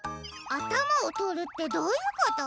あたまをとるってどういうこと？